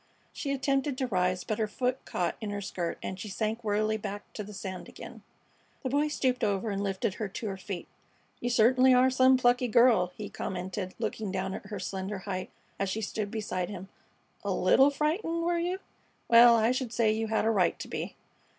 She attempted to rise, but her foot caught in her skirt and she sank wearily back to the sand again. The Boy stooped over and lifted her to her feet. "You certainly are some plucky girl!" he commented, looking down at her slender height as she stood beside him. "A 'little frightened,' were you? Well, I should say you had a right to be."